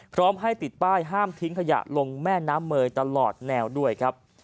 พร้อมให้ติดป้ายห้ามทิ้งขยะลงแม่น้ำเมยตลอดแนวด้วยครับ